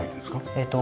えっと